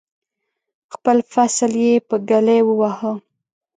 خپل فصل یې په ږلۍ وواهه.